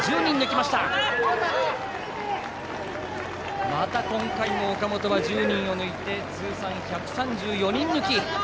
また今回も岡本は１０人抜いて通算１３４人抜き！